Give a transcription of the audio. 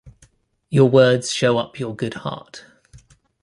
Your words show up your good heart.